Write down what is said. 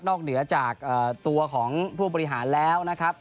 เหนือจากตัวของผู้บริหารแล้วนะครับ